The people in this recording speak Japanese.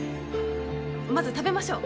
まず食べましょう。